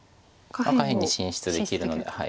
下辺に進出できるので。